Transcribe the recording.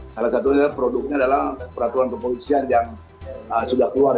salah satunya produknya adalah peraturan kepolisian yang sudah keluar